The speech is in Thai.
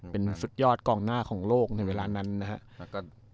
เป็นสุดยอดกองหน้าของโลกในเวลานั้นนะครับ